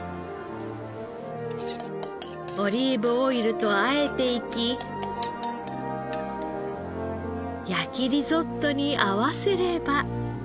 オリーブオイルとあえていき焼きリゾットに合わせれば。